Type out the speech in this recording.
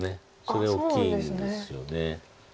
それ大きいんですよね。